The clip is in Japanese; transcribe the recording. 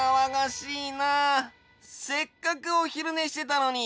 せっかくおひるねしてたのに。